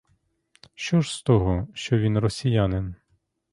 Що ж з того, що він росіянин?